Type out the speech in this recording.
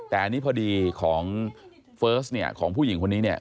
แต่อันนี้พอดีของเฟิร์สของผู้หญิงคนนี้